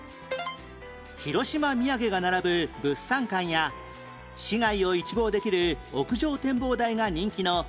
広島土産が並ぶ物産館や市街を一望できる屋上展望台が人気の観光施設